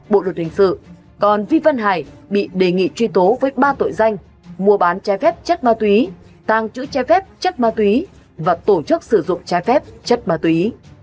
bộ luật hình sự còn vi văn hải bị đề nghị truy tố với ba tội danh mua bán trái phép chất ma túy tàng chữ che phép chất ma túy và tổ chức sử dụng trái phép chất ma túy